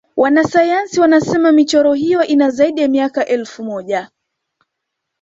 wanasayansi wanasena michoro hiyo ina zaidi ya miaka elfu moja